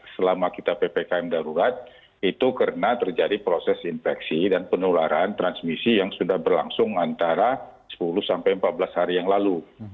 selama kita ppkm darurat itu karena terjadi proses infeksi dan penularan transmisi yang sudah berlangsung antara sepuluh sampai empat belas hari yang lalu